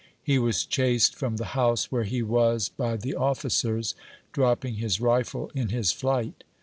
He was chased from the house where he was by the oflicers, dropping his rifle in his flight.